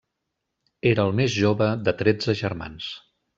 Era el més jove de tretze germans.